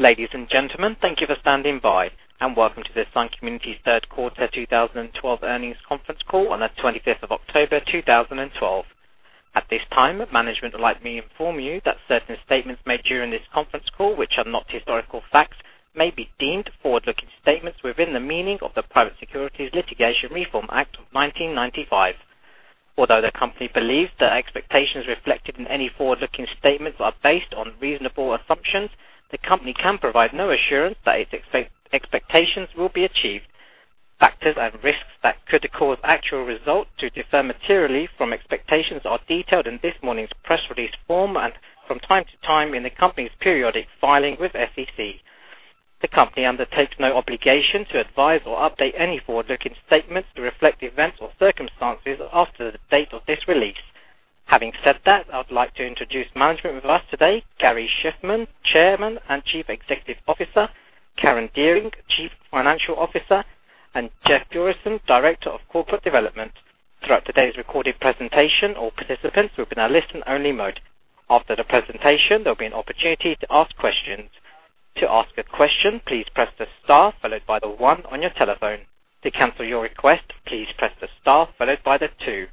Ladies and gentlemen, thank you for standing by, and welcome to the Sun Communities third quarter 2012 earnings conference call on the 25th of October 2012. At this time, management would like to inform you that certain statements made during this conference call, which are not historical facts, may be deemed forward-looking statements within the meaning of the Private Securities Litigation Reform Act of 1995. Although the company believes the expectations reflected in any forward-looking statements are based on reasonable assumptions, the company can provide no assurance that its expectations will be achieved. Factors and risks that could cause actual results to differ materially from expectations are detailed in this morning's press release form and from time to time in the company's periodic filings with SEC. The company undertakes no obligation to advise or update any forward-looking statements to reflect events or circumstances after the date of this release. Having said that, I would like to introduce management with us today: Gary Shiffman, Chairman and Chief Executive Officer, Karen Dearing, Chief Financial Officer, and Jeff Jorissen, Director of Corporate Development. Throughout today's recorded presentation, all participants will be in a listen-only mode. After the presentation, there will be an opportunity to ask questions. To ask a question, please press the star followed by the one on your telephone. To cancel your request, please press the star followed by the two.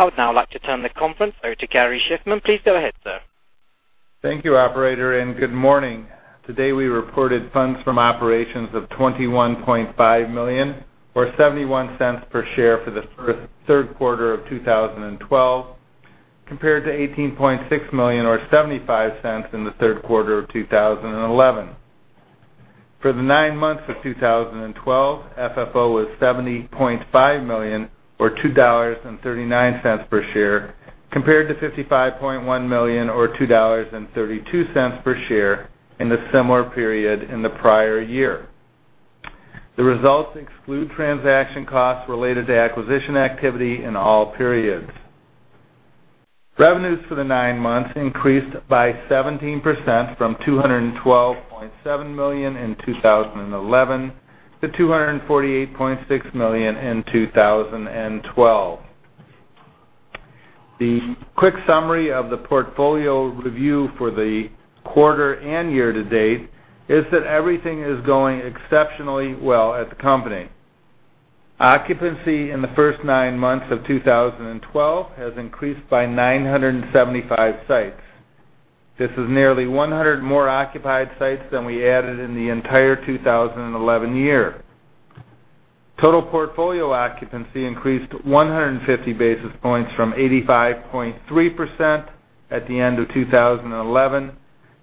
I would now like to turn the conference over to Gary Shiffman. Please go ahead, sir. Thank you, Operator, and good morning. Today we reported funds from operations of $21.5 million, or $0.71 per share, for the third quarter of 2012, compared to $18.6 million, or $0.75 per share, in the third quarter of 2011. For the nine months of 2012, FFO was $70.5 million, or $2.39 per share, compared to $55.1 million, or $2.32 per share, in a similar period in the prior year. The results exclude transaction costs related to acquisition activity in all periods. Revenues for the nine months increased by 17% from $212.7 million in 2011 to $248.6 million in 2012. The quick summary of the portfolio review for the quarter and year to date is that everything is going exceptionally well at the company. Occupancy in the first nine months of 2012 has increased by 975 sites. This is nearly 100 more occupied sites than we added in the entire 2011 year. Total portfolio occupancy increased 150 basis points from 85.3% at the end of 2011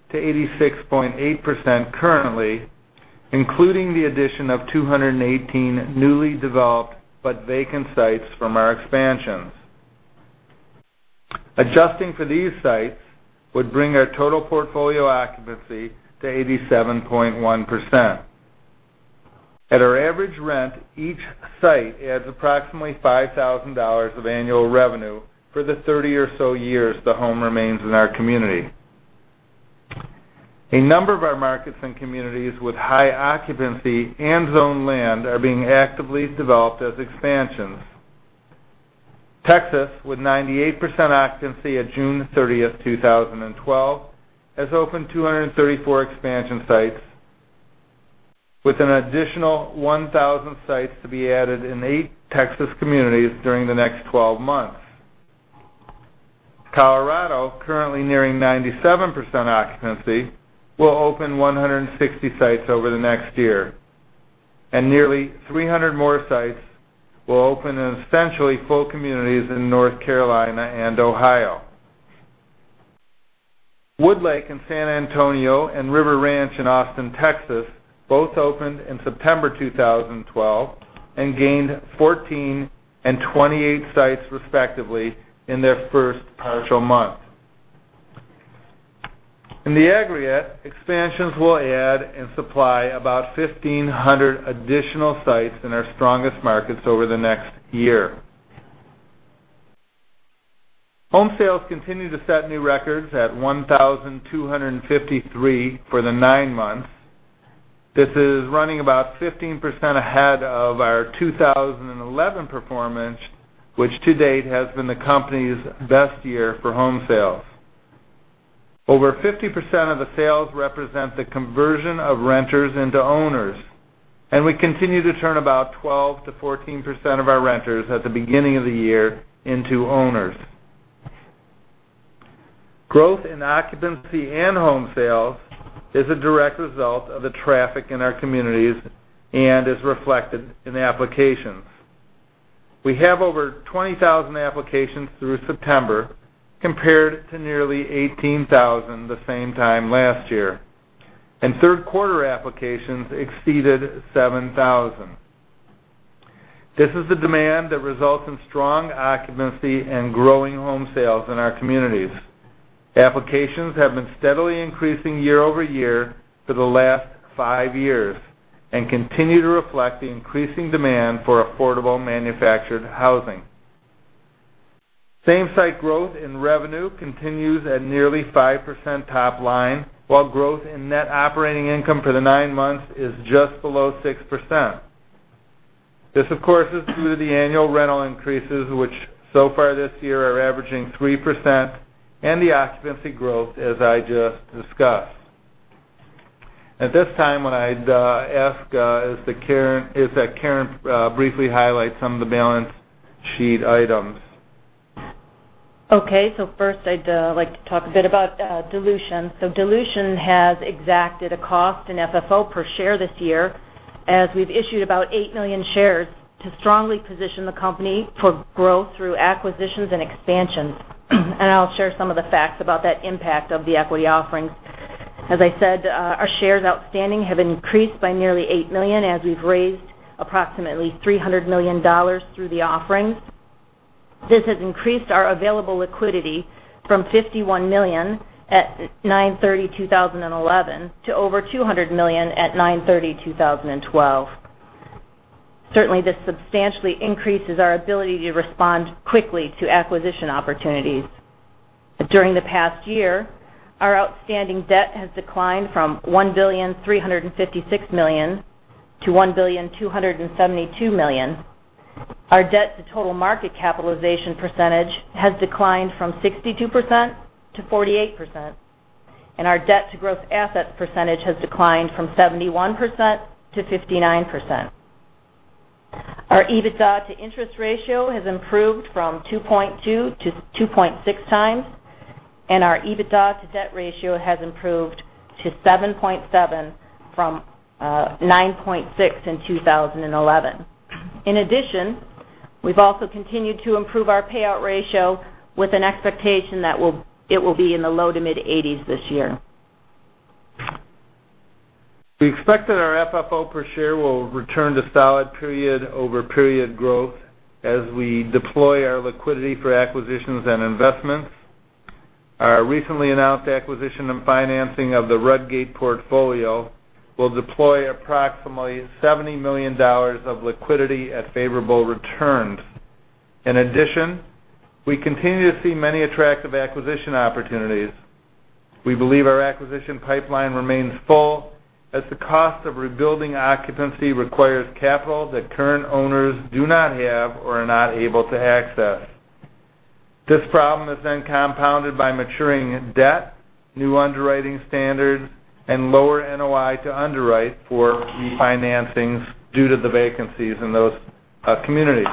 to 86.8% currently, including the addition of 218 newly developed but vacant sites from our expansions. Adjusting for these sites would bring our total portfolio occupancy to 87.1%. At our average rent, each site adds approximately $5,000 of annual revenue for the 30 or so years the home remains in our community. A number of our markets and communities with high occupancy and zoned land are being actively developed as expansions. Texas, with 98% occupancy at June 30th, 2012, has opened 234 expansion sites, with an additional 1,000 sites to be added in eight Texas communities during the next 12 months. Colorado, currently nearing 97% occupancy, will open 160 sites over the next year, and nearly 300 more sites will open in essentially full communities in North Carolina and Ohio. Woodlake in San Antonio and River Ranch in Austin, Texas, both opened in September 2012 and gained 14 and 28 sites, respectively, in their first partial month. In the aggregate, expansions will add and supply about 1,500 additional sites in our strongest markets over the next year. Home sales continue to set new records at 1,253 for the nine months. This is running about 15% ahead of our 2011 performance, which to date has been the company's best year for home sales. Over 50% of the sales represent the conversion of renters into owners, and we continue to turn about 12%-14% of our renters at the beginning of the year into owners. Growth in occupancy and home sales is a direct result of the traffic in our communities and is reflected in the applications. We have over 20,000 applications through September, compared to nearly 18,000 the same time last year, and third quarter applications exceeded 7,000. This is the demand that results in strong occupancy and growing home sales in our communities. Applications have been steadily increasing year-over-year for the last five years and continue to reflect the increasing demand for affordable manufactured housing. Same-site growth in revenue continues at nearly 5% top line, while growth in net operating income for the nine months is just below 6%. This, of course, is due to the annual rental increases, which so far this year are averaging 3%, and the occupancy growth, as I just discussed. At this time, what I'd ask is that Karen briefly highlight some of the balance sheet items. Okay. First, I'd like to talk a bit about dilution. Dilution has exacted a cost in FFO per share this year, as we've issued about 8 million shares to strongly position the company for growth through acquisitions and expansions. I'll share some of the facts about that impact of the equity offerings. As I said, our shares outstanding have increased by nearly 8 million, as we've raised approximately $300 million through the offerings. This has increased our available liquidity from $51 million at 9/30/2011 to over $200 million at 9/30/2012. Certainly, this substantially increases our ability to respond quickly to acquisition opportunities. During the past year, our outstanding debt has declined from $1,356 million to $1,272 million. Our debt-to-total market capitalization percentage has declined from 62%-48%, and our debt-to-gross assets percentage has declined from 71%-59%. Our EBITDA-to-interest ratio has improved from 2.2-2.6 times, and our EBITDA-to-debt ratio has improved to 7.7 from 9.6 in 2011. In addition, we've also continued to improve our payout ratio with an expectation that it will be in the low to mid-80s this year. We expect that our FFO per share will return to solid period-over-period growth as we deploy our liquidity for acquisitions and investments. Our recently announced acquisition and financing of the Rudgate portfolio will deploy approximately $70 million of liquidity at favorable returns. In addition, we continue to see many attractive acquisition opportunities. We believe our acquisition pipeline remains full, as the cost of rebuilding occupancy requires capital that current owners do not have or are not able to access. This problem is then compounded by maturing debt, new underwriting standards, and lower NOI to underwrite for refinancings due to the vacancies in those communities.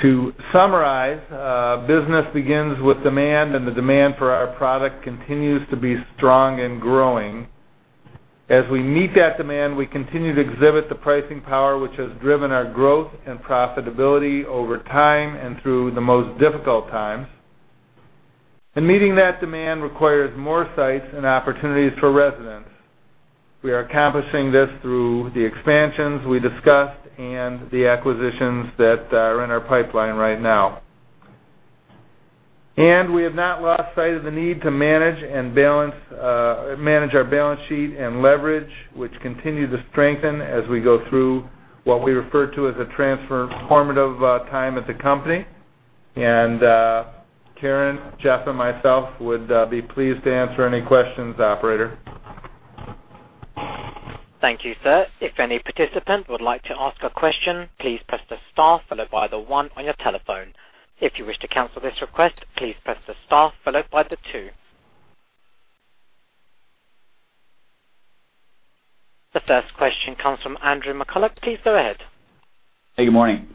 To summarize, business begins with demand, and the demand for our product continues to be strong and growing. As we meet that demand, we continue to exhibit the pricing power which has driven our growth and profitability over time and through the most difficult times. Meeting that demand requires more sites and opportunities for residents. We are accomplishing this through the expansions we discussed and the acquisitions that are in our pipeline right now. We have not lost sight of the need to manage our balance sheet and leverage, which continue to strengthen as we go through what we refer to as a transformative time at the company. Karen, Jeff, and myself would be pleased to answer any questions, Operator. Thank you, sir. If any participant would like to ask a question, please press the star followed by the one on your telephone. If you wish to cancel this request, please press the star followed by the two. The first question comes from Andrew McCulloch. Please go ahead. Hey, good morning.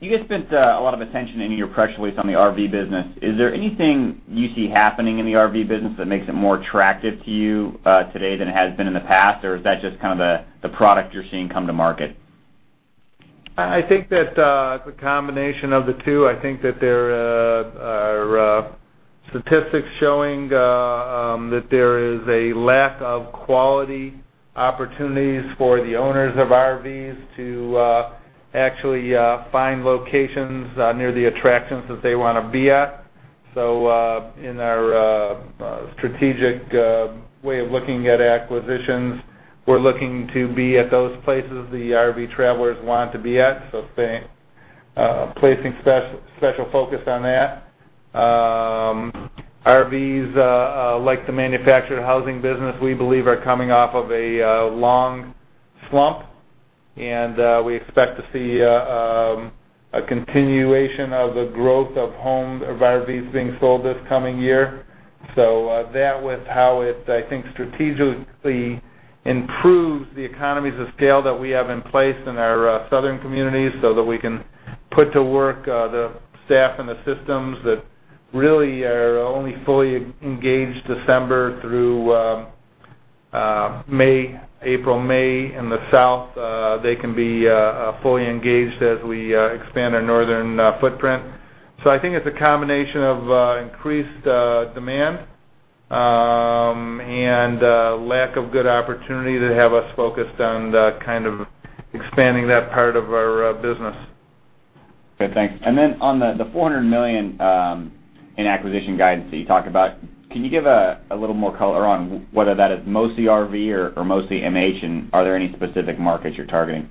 You guys spent a lot of attention in your press release on the RV business. Is there anything you see happening in the RV business that makes it more attractive to you today than it has been in the past, or is that just kind of the product you're seeing come to market? I think that it's a combination of the two. I think that there are statistics showing that there is a lack of quality opportunities for the owners of RVs to actually find locations near the attractions that they want to be at. So in our strategic way of looking at acquisitions, we're looking to be at those places the RV travelers want to be at, so placing special focus on that. RVs like the manufactured housing business, we believe, are coming off of a long slump, and we expect to see a continuation of the growth of RVs being sold this coming year. So that with how it, I think, strategically improves the economies of scale that we have in place in our southern communities so that we can put to work the staff and the systems that really are only fully engaged December through April, May. In the South, they can be fully engaged as we expand our northern footprint. So I think it's a combination of increased demand and lack of good opportunity to have us focused on kind of expanding that part of our business. Good. Thanks. And then on the $400 million in acquisition guidance that you talked about, can you give a little more color on whether that is mostly RV or mostly MH, and are there any specific markets you're targeting?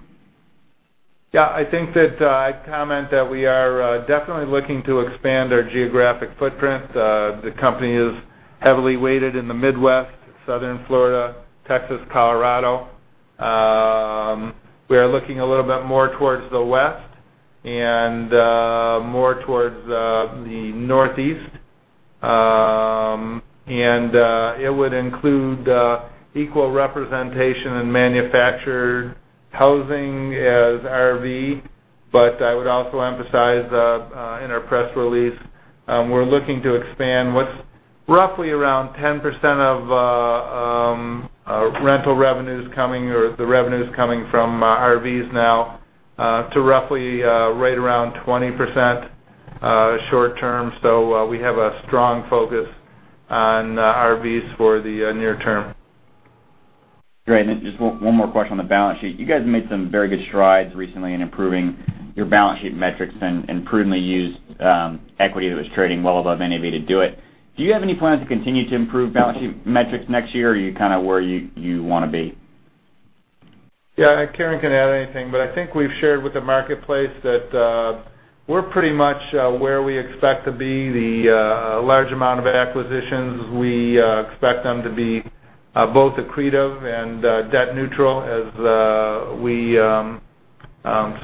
Yeah. I think that I'd comment that we are definitely looking to expand our geographic footprint. The company is heavily weighted in the Midwest, southern Florida, Texas, Colorado. We are looking a little bit more towards the West and more towards the Northeast. And it would include equal representation in manufactured housing as RV, but I would also emphasize in our press release, we're looking to expand what's roughly around 10% of rental revenues coming or the revenues coming from RVs now to roughly right around 20% short term. So we have a strong focus on RVs for the near term. Great. Just one more question on the balance sheet. You guys made some very good strides recently in improving your balance sheet metrics and prudently used equity that was trading well above NAV to do it. Do you have any plans to continue to improve balance sheet metrics next year, or are you kind of where you want to be? Yeah. Karen can add anything, but I think we've shared with the marketplace that we're pretty much where we expect to be. The large amount of acquisitions, we expect them to be both accretive and debt neutral as we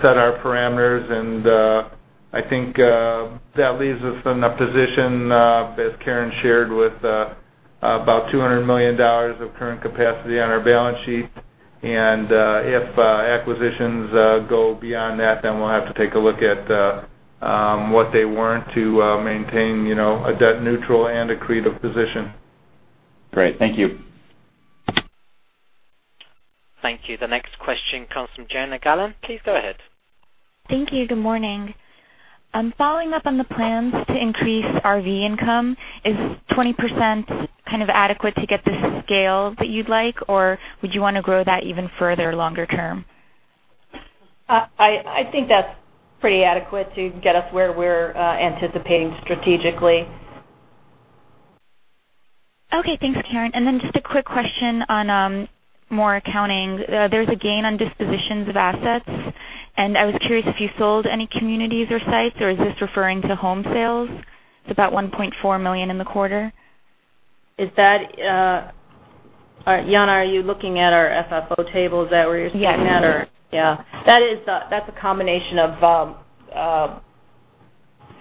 set our parameters. And I think that leaves us in a position, as Karen shared, with about $200 million of current capacity on our balance sheet. And if acquisitions go beyond that, then we'll have to take a look at what we want to maintain a debt neutral and accretive position. Great. Thank you. Thank you. The next question comes from Jana Galan. Please go ahead. Thank you. Good morning. I'm following up on the plans to increase RV income. Is 20% kind of adequate to get the scale that you'd like, or would you want to grow that even further longer term? I think that's pretty adequate to get us where we're anticipating strategically. Okay. Thanks, Karen. And then just a quick question on more accounting. There's a gain on dispositions of assets, and I was curious if you sold any communities or sites, or is this referring to home sales? It's about $1.4 million in the quarter. Is that, Jana, are you looking at our FFO tables that we're using that, or? Yes. Yeah. That's a combination of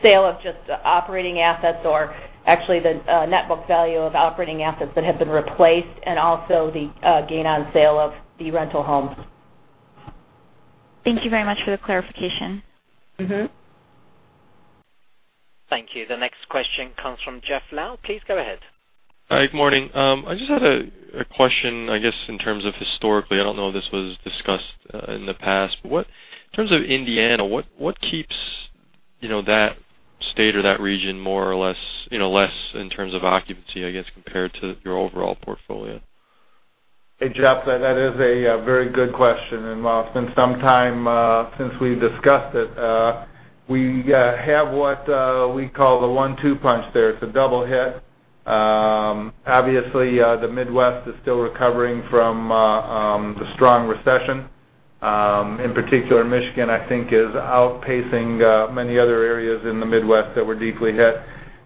sale of just operating assets or actually the net book value of operating assets that have been replaced, and also the gain on sale of the rental home. Thank you very much for the clarification. Thank you. The next question comes from Jeff Donnelly. Please go ahead. Hi. Good morning. I just had a question, I guess, in terms of historically. I don't know if this was discussed in the past, but in terms of Indiana, what keeps that state or that region more or less in terms of occupancy, I guess, compared to your overall portfolio? Hey, Jeff, that is a very good question. And while it's been some time since we've discussed it, we have what we call the one-two punch there. It's a double hit. Obviously, the Midwest is still recovering from the strong recession. In particular, Michigan, I think, is outpacing many other areas in the Midwest that were deeply hit.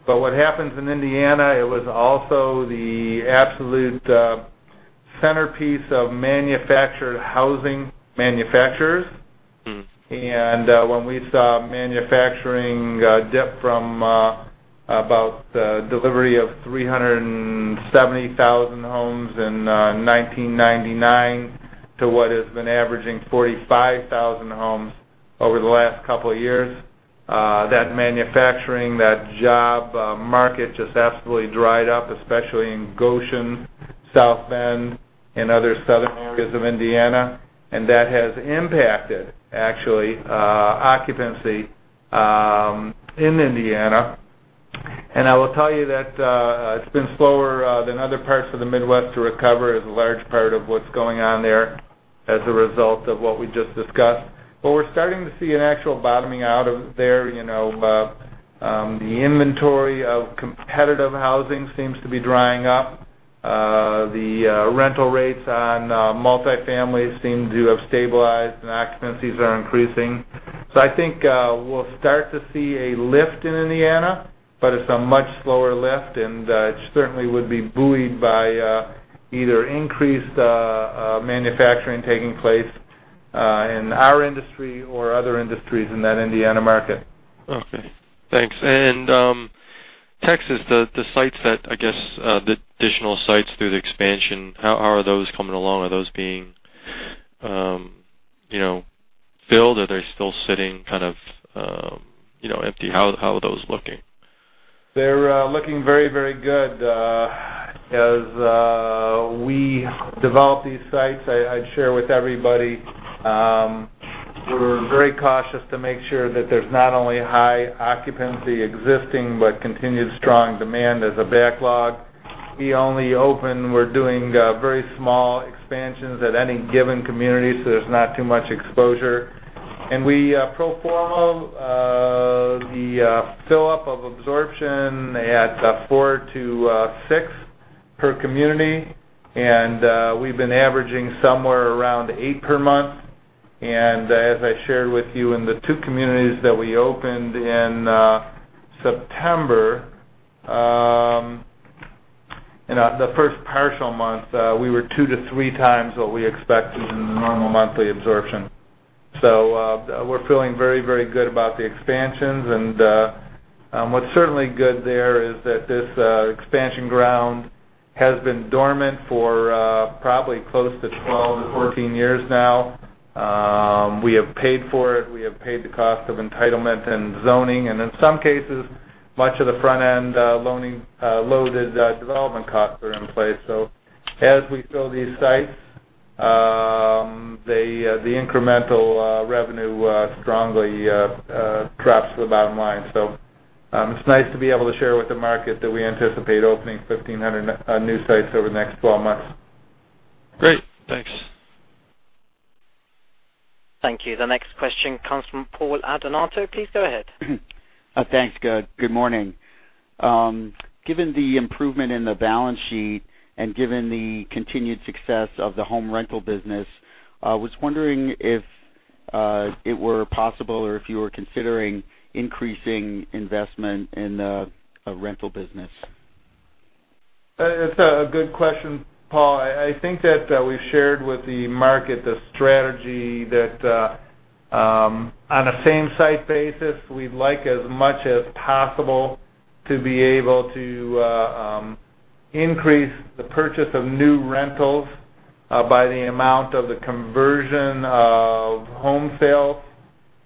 But what happens in Indiana, it was also the absolute centerpiece of manufactured housing manufacturers. And when we saw manufacturing dip from about the delivery of 370,000 homes in 1999 to what has been averaging 45,000 homes over the last couple of years, that manufacturing, that job market just absolutely dried up, especially in Goshen, South Bend, and other southern areas of Indiana. And that has impacted, actually, occupancy in Indiana. I will tell you that it's been slower than other parts of the Midwest to recover, is a large part of what's going on there as a result of what we just discussed. We're starting to see an actual bottoming out there. The inventory of competitive housing seems to be drying up. The rental rates on multifamily seem to have stabilized, and occupancies are increasing. I think we'll start to see a lift in Indiana, but it's a much slower lift, and it certainly would be buoyed by either increased manufacturing taking place in our industry or other industries in that Indiana market. Okay. Thanks. And Texas, the sites that, I guess, the additional sites through the expansion, how are those coming along? Are those being filled, or are they still sitting kind of empty? How are those looking? They're looking very, very good. As we develop these sites, I'd share with everybody, we're very cautious to make sure that there's not only high occupancy existing but continued strong demand as a backlog. We only open, we're doing very small expansions at any given community, so there's not too much exposure. We perform the fill-up of absorption at 4-6 per community, and we've been averaging somewhere around 8 per month. As I shared with you in the two communities that we opened in September, in the first partial month, we were 2-3 times what we expected in the normal monthly absorption. So we're feeling very, very good about the expansions. What's certainly good there is that this expansion ground has been dormant for probably close to 12-14 years now. We have paid for it. We have paid the cost of entitlement and zoning. In some cases, much of the front-end loaded development costs are in place. As we fill these sites, the incremental revenue strongly traps the bottom line. It's nice to be able to share with the market that we anticipate opening 1,500 new sites over the next 12 months. Great. Thanks. Thank you. The next question comes from Paul Adornato. Please go ahead. Thanks. Good morning. Given the improvement in the balance sheet and given the continued success of the home rental business, I was wondering if it were possible or if you were considering increasing investment in the rental business. It's a good question, Paul. I think that we've shared with the market the strategy that on a same-site basis, we'd like as much as possible to be able to increase the purchase of new rentals by the amount of the conversion of home sales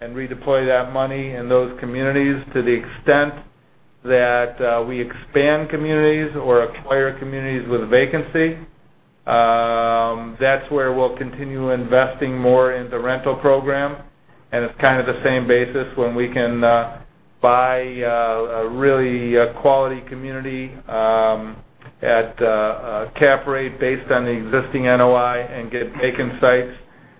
and redeploy that money in those communities to the extent that we expand communities or acquire communities with vacancy. That's where we'll continue investing more in the rental program. And it's kind of the same basis when we can buy a really quality community at a cap rate based on the existing NOI and get vacant sites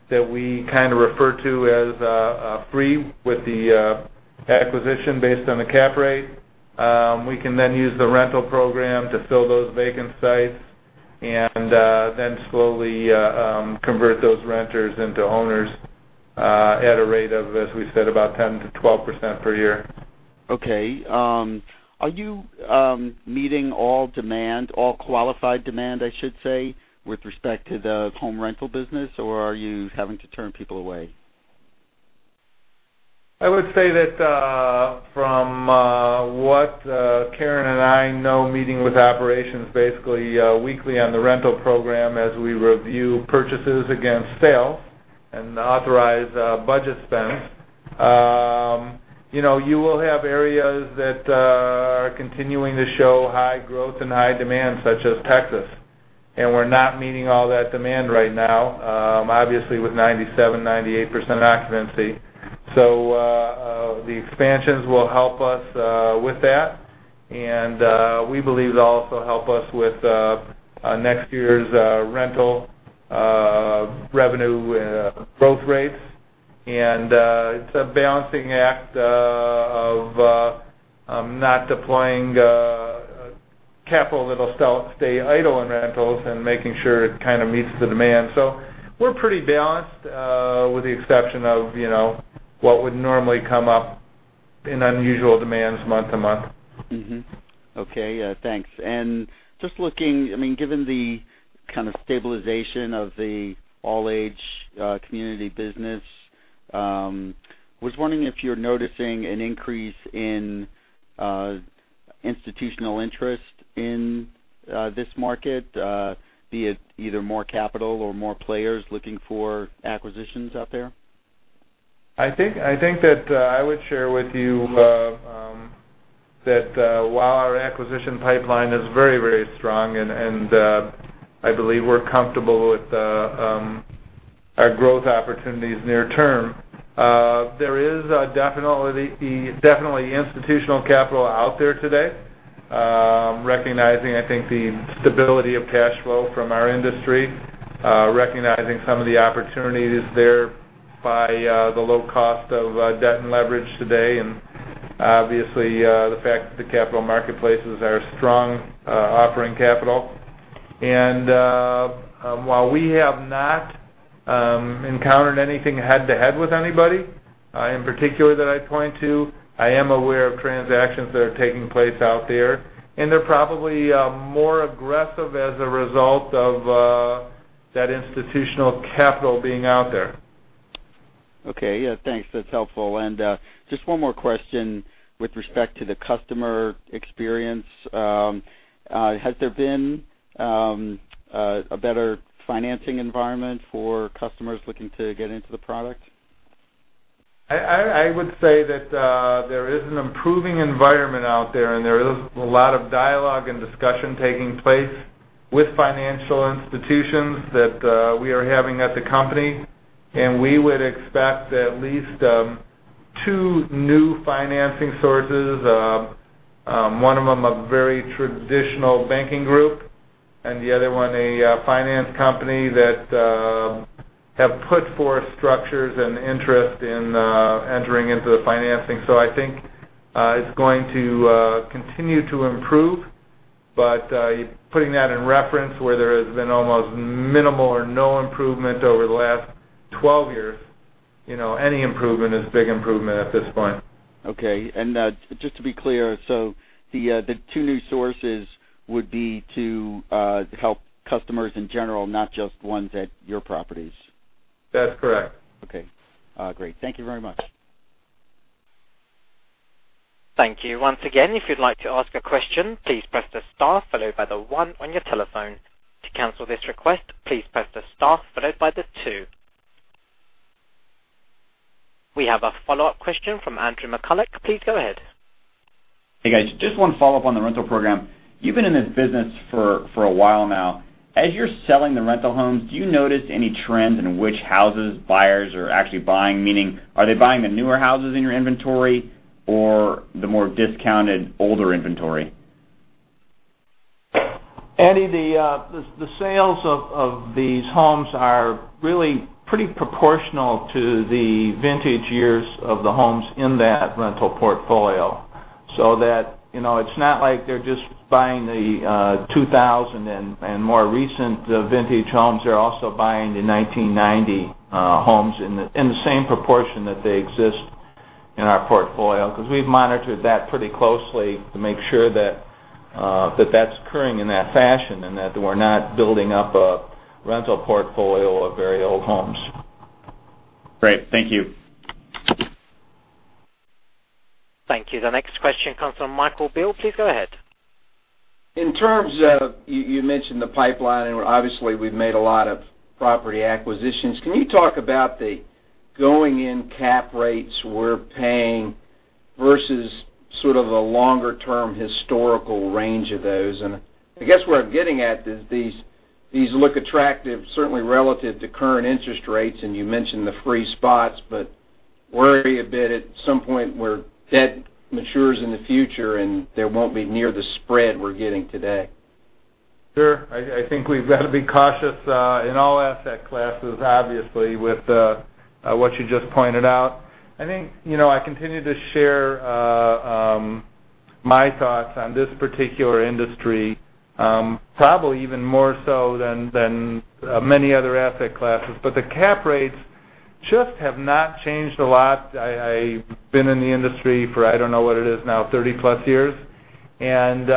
that we kind of refer to as free with the acquisition based on the cap rate. We can then use the rental program to fill those vacant sites and then slowly convert those renters into owners at a rate of, as we said, about 10%-12% per year. Okay. Are you meeting all demand, all qualified demand, I should say, with respect to the home rental business, or are you having to turn people away? I would say that from what Karen and I know, meeting with operations basically weekly on the rental program as we review purchases against sales and authorize budget spend, you will have areas that are continuing to show high growth and high demand, such as Texas. We're not meeting all that demand right now, obviously, with 97%-98% occupancy. The expansions will help us with that, and we believe they'll also help us with next year's rental revenue growth rates. It's a balancing act of not deploying capital that'll stay idle in rentals and making sure it kind of meets the demand. We're pretty balanced with the exception of what would normally come up in unusual demands month to month. Okay. Thanks. And just looking, I mean, given the kind of stabilization of the all-age community business, I was wondering if you're noticing an increase in institutional interest in this market, be it either more capital or more players looking for acquisitions out there? I think that I would share with you that while our acquisition pipeline is very, very strong, and I believe we're comfortable with our growth opportunities near term, there is definitely institutional capital out there today, recognizing, I think, the stability of cash flow from our industry, recognizing some of the opportunities there by the low cost of debt and leverage today, and obviously, the fact that the capital marketplaces are strong offering capital. And while we have not encountered anything head-to-head with anybody in particular that I point to, I am aware of transactions that are taking place out there, and they're probably more aggressive as a result of that institutional capital being out there. Okay. Yeah. Thanks. That's helpful. And just one more question with respect to the customer experience. Has there been a better financing environment for customers looking to get into the product? I would say that there is an improving environment out there, and there is a lot of dialogue and discussion taking place with financial institutions that we are having at the company. And we would expect at least two new financing sources, one of them a very traditional banking group and the other one a finance company that have put forth structures and interest in entering into the financing. So I think it's going to continue to improve. But putting that in reference where there has been almost minimal or no improvement over the last 12 years, any improvement is big improvement at this point. Okay. And just to be clear, so the two new sources would be to help customers in general, not just ones at your properties? That's correct. Okay. Great. Thank you very much. Thank you. Once again, if you'd like to ask a question, please press the star followed by the one on your telephone. To cancel this request, please press the star followed by the two. We have a follow-up question from Andrew McCulloch. Please go ahead. Hey, guys. Just one follow-up on the rental program. You've been in this business for a while now. As you're selling the rental homes, do you notice any trends in which houses buyers are actually buying? Meaning, are they buying the newer houses in your inventory or the more discounted older inventory? Andy, the sales of these homes are really pretty proportional to the vintage years of the homes in that rental portfolio. So that it's not like they're just buying the 2000 and more recent vintage homes. They're also buying the 1990 homes in the same proportion that they exist in our portfolio because we've monitored that pretty closely to make sure that that's occurring in that fashion and that we're not building up a rental portfolio of very old homes. Great. Thank you. Thank you. The next question comes from Michael Bilerman. Please go ahead. In terms of you mentioned the pipeline, and obviously, we've made a lot of property acquisitions. Can you talk about the going-in cap rates we're paying versus sort of the longer-term historical range of those? And I guess where I'm getting at is these look attractive, certainly relative to current interest rates, and you mentioned the free spots, but worry a bit at some point where debt matures in the future and there won't be near the spread we're getting today. Sure. I think we've got to be cautious in all asset classes, obviously, with what you just pointed out. I think I continue to share my thoughts on this particular industry, probably even more so than many other asset classes. But the cap rates just have not changed a lot. I've been in the industry for, I don't know what it is now, 30+ years. And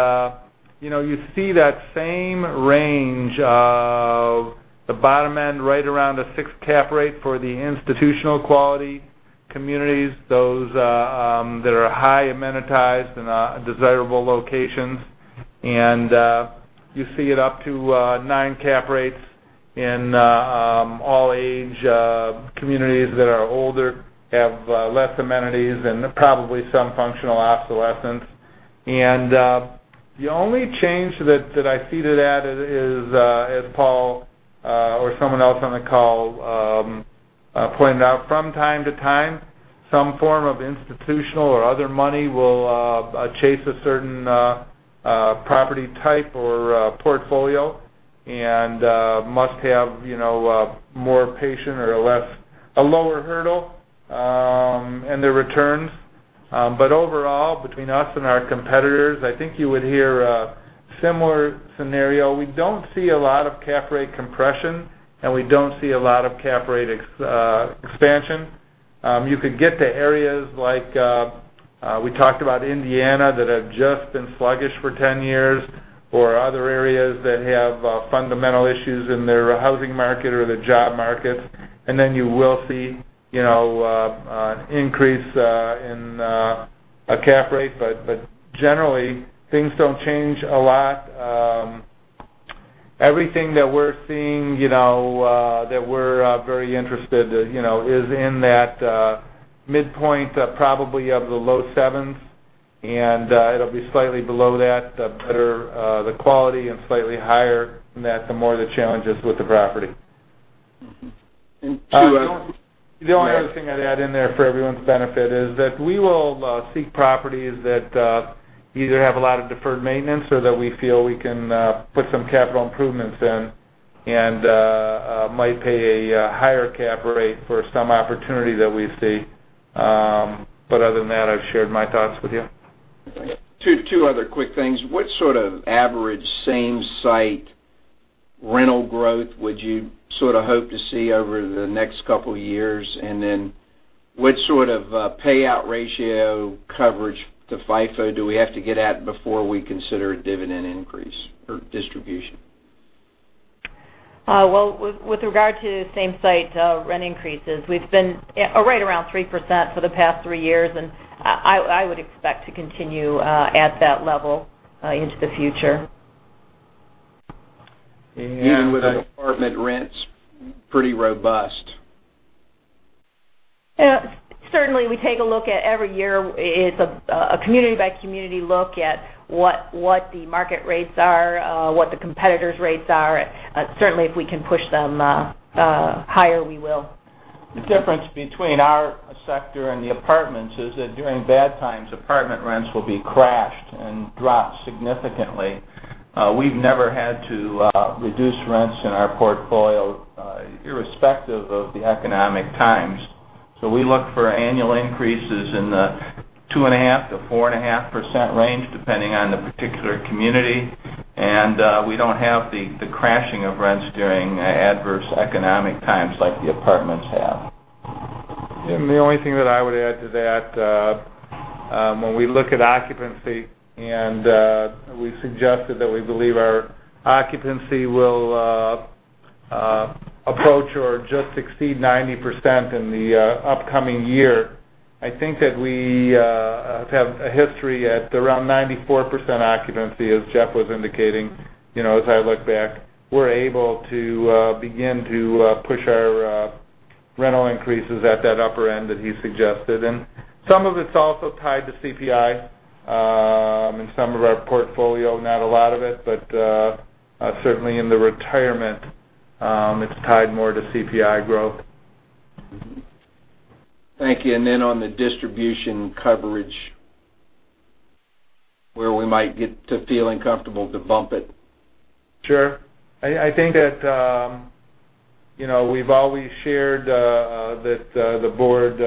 you see that same range of the bottom end right around a 6-cap rate for the institutional quality communities, those that are highly amenitized in desirable locations. And you see it up to 9-cap rates in all-age communities that are older, have less amenities, and probably some functional obsolescence. The only change that I see to that is, as Paul or someone else on the call pointed out, from time to time, some form of institutional or other money will chase a certain property type or portfolio and must have more patience or a lower hurdle in their returns. Overall, between us and our competitors, I think you would hear a similar scenario. We don't see a lot of cap rate compression, and we don't see a lot of cap rate expansion. You could get to areas like we talked about Indiana that have just been sluggish for 10 years or other areas that have fundamental issues in their housing market or the job markets. Then you will see an increase in a cap rate. Generally, things don't change a lot. Everything that we're seeing that we're very interested is in that midpoint, probably of the low sevens. And it'll be slightly below that, the better the quality, and slightly higher than that, the more the challenge is with the property. And the only other thing I'd add in there for everyone's benefit is that we will seek properties that either have a lot of deferred maintenance or that we feel we can put some capital improvements in and might pay a higher cap rate for some opportunity that we see. But other than that, I've shared my thoughts with you. Two other quick things. What sort of average same-site rental growth would you sort of hope to see over the next couple of years? And then what sort of payout ratio coverage to FFO do we have to get at before we consider a dividend increase or distribution? Well, with regard to same-site rent increases, we've been right around 3% for the past three years, and I would expect to continue at that level into the future. With apartment rents, pretty robust? Certainly, we take a look at every year. It's a community-by-community look at what the market rates are, what the competitors' rates are. Certainly, if we can push them higher, we will. The difference between our sector and the apartments is that during bad times, apartment rents will be crashed and drop significantly. We've never had to reduce rents in our portfolio irrespective of the economic times. So we look for annual increases in the 2.5%-4.5% range, depending on the particular community. We don't have the crashing of rents during adverse economic times like the apartments have. The only thing that I would add to that, when we look at occupancy, and we suggested that we believe our occupancy will approach or just exceed 90% in the upcoming year, I think that we have a history at around 94% occupancy, as Jeff was indicating. As I look back, we're able to begin to push our rental increases at that upper end that he suggested. Some of it's also tied to CPI in some of our portfolio, not a lot of it, but certainly in the retirement, it's tied more to CPI growth. Thank you. And then on the distribution coverage, where we might get to feeling comfortable to bump it? Sure. I think that we've always shared that the Board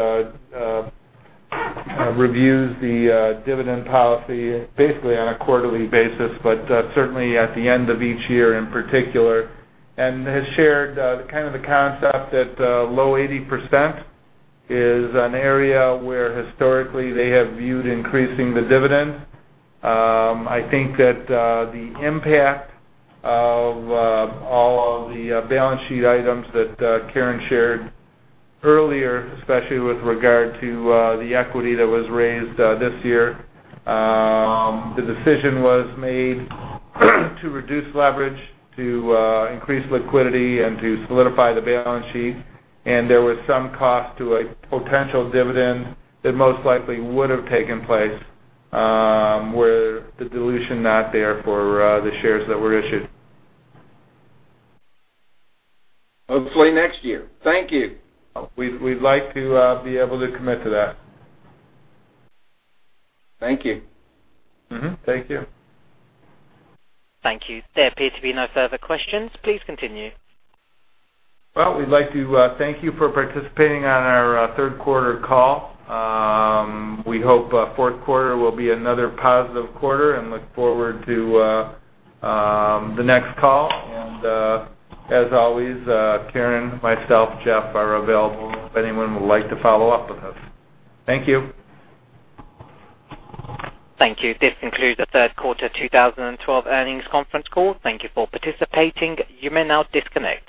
reviews the dividend policy basically on a quarterly basis, but certainly at the end of each year in particular, and has shared kind of the concept that low 80% is an area where historically they have viewed increasing the dividend. I think that the impact of all of the balance sheet items that Karen shared earlier, especially with regard to the equity that was raised this year, the decision was made to reduce leverage, to increase liquidity, and to solidify the balance sheet. There was some cost to a potential dividend that most likely would have taken place were the dilution not there for the shares that were issued. Hopefully next year. Thank you. We'd like to be able to commit to that. Thank you. Thank you. Thank you. There appear to be no further questions. Please continue. Well, we'd like to thank you for participating on our third-quarter call. We hope fourth quarter will be another positive quarter and look forward to the next call. As always, Karen, myself, Jeff are available if anyone would like to follow up with us. Thank you. Thank you. This concludes the third-quarter 2012 earnings conference call. Thank you for participating. You may now disconnect.